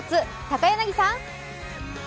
高柳さん。